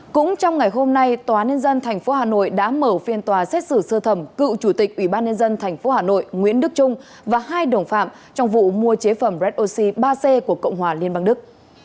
cũng trong ngày hôm nay tòa nhân dân tp hà nội đã mở phiên tòa xét xử sơ thẩm cựu chủ tịch ủy ban nhân dân tp hà nội nguyễn đức trung và hai đồng phạm trong vụ mua chế phẩm red oxy ba c của cộng hòa liên bang đức